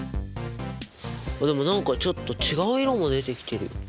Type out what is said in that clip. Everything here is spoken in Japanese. でも何かちょっと違う色も出てきてる。